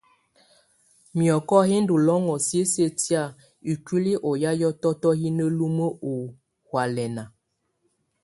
Mìɔ́kɔ yɛ́ ndù lɔ́ŋɔ̀ sisiǝ̀ tɛ̀á ikuili ɔ ya hiɔ̀tɔ̀tɔ yɛ na lumǝ ɔ ɔhɔ̀álɛna.